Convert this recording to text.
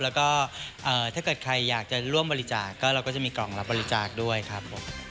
แล้วก็ถ้าเกิดใครอยากจะร่วมบริจาคก็เราก็จะมีกล่องรับบริจาคด้วยครับผม